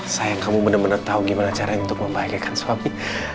sayang kamu bener bener tau gimana caranya untuk membahagiakan suami